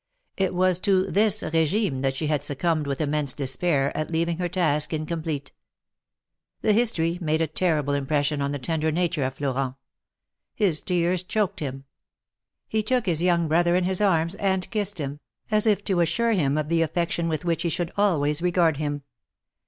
It was to this regime that she had succumbed with immense despair, at leaving her task incomplete. This history made a terrible impression on the tender nature of Florent. His tears choked him. He took his young brother in his arms and kissed him, as if to assure him of the affection with which he should always regard him.